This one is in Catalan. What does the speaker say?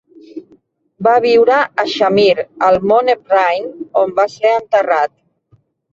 Va viure a Shamir, al Mont Ephraim, on va ser enterrat.